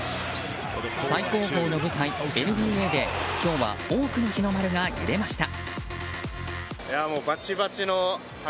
最高峰の舞台、ＮＢＡで今日は多くの日の丸が揺れました。